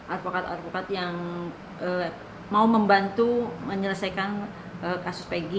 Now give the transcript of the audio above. advokat advokat yang mau membantu menyelesaikan kasus pg